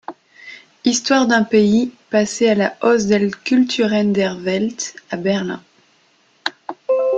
Histoire d'un pays passé à la Haus der Kulturen der Welt à Berlin.